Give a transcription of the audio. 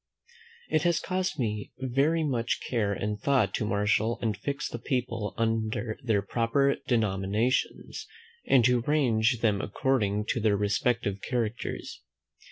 It has cost me very much care and thought to marshal and fix the people under their proper denominations, and to range them according to their respective characters.